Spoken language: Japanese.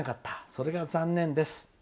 それが残念です」。